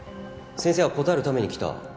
先生は答えるために来た。